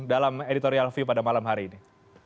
dalam editorial view pada malam hari ini